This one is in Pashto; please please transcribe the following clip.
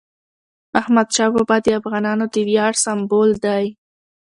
احمدشاه بابا د افغانانو د ویاړ سمبول دی.